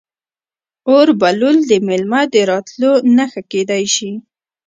اور بلول د میلمه د راتلو نښه کیدی شي.